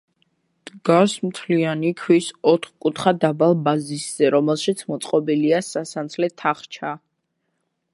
დგას მთლიანი ქვის ოთხკუთხა დაბალ ბაზისზე, რომელშიც მოწყობილია სასანთლე თახჩა.